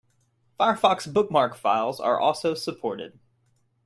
Firefox bookmark files are also supported.